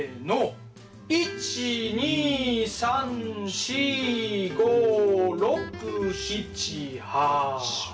１２３４５６７８。